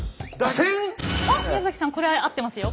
おっ宮崎さんこれ合ってますよ。